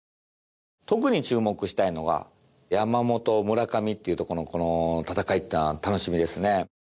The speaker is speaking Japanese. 特に注目したいのが山本、村上というところの戦いというのは楽しみですね。